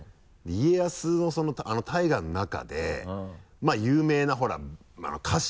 家康のあの大河の中で有名なほら家臣。